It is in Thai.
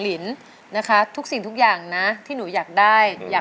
เอาล่ะ